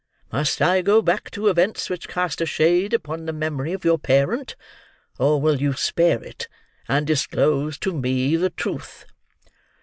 Must I go back to events which cast a shade upon the memory of your parent, or will you spare it, and disclose to me the truth?"